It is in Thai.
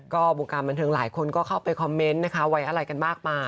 ก็วงการบันเทิงหลายคนก็เข้าไปคอมเมนต์นะคะไว้อะไรกันมากมาย